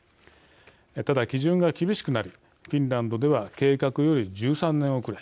ただ、基準が厳しくなりフィンランドでは計画より１３年遅れ。